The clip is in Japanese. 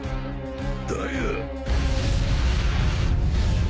だが！